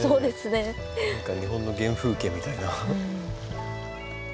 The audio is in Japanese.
何か日本の原風景みたいな。